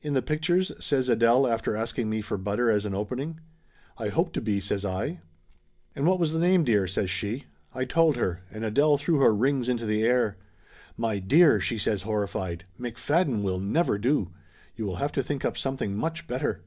"In the pictures?" says Adele after asking me for butter as an opening. "I hope to be," says I. "And what was the name, dear?" says she. I told her, and Adele threw her rings into the air. "My dear!" she says, horrified. "McFadden will never do ! You will have to think up something much better.